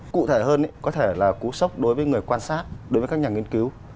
cụ thể hơn có thể là cú sốc đối với người quan sát đối với các nhà nghiên cứu